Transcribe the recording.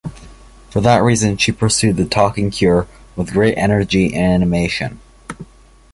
For that reason she pursued the "talking cure" with great energy and animation.